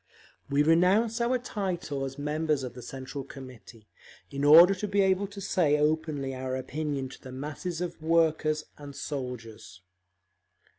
We renounce our title as members of the Central Committee, in order to be able to say openly our opinion to the masses of workers and soldiers….